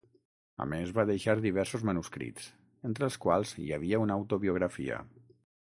A més, va deixar diversos manuscrits, entre els quals hi havia una autobiografia.